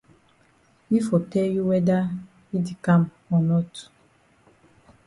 Yi for tell you whether yi di kam o not.